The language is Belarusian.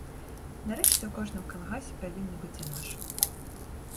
Нарэшце ў кожным калгасе павінны быць і нашы.